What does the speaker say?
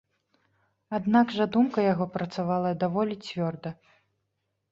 Аднак жа думка яго працавала даволі цвёрда.